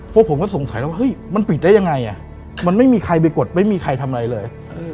พวกผมก็สงสัยแล้วเฮ้ยมันปิดได้ยังไงมันไม่มีใครไปกดไม่มีใครทำอะไรเลย